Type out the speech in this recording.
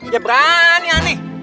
ya berani ini